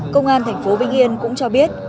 công an tp binh yên cũng cho biết